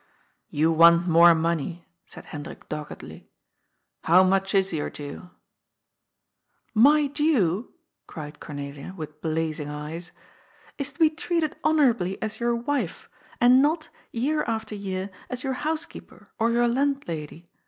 " You want more money," said Hendrik doggedly. " How much is your due ?"" My due," cried Cornelia, with blazing eyes, " is to be treated honourably as your wife, and not, year after year, as your housekeeper or your landlady.